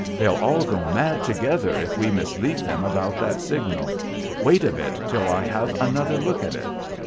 They'll all go mad together if we mislead them about that signal. Wait a bit, till I have another look at it.'